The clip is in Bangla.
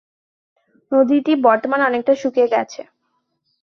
নদীটি বর্তমানে অনেকটা শুকিয়ে গেছে।